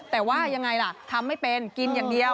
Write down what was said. แต่ว่ายังไงล่ะทำไม่เป็นกินอย่างเดียว